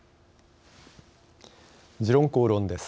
「時論公論」です。